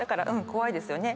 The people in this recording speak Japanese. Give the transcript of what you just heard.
怖いですよね。